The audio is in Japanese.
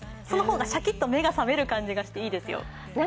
その方がしゃきっと目が覚める感じがしていいですよ。